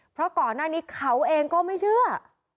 เพราะก่อนหน้านี้เขาเองก็ไม่เชื่อ